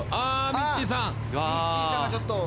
みっちーさんがちょっと。